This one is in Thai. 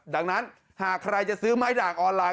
ดังนั้นหากใครจะซื้อไม้ด่างออนไลน